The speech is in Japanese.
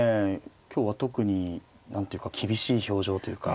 今日は特に何ていうか厳しい表情というかキリッとした。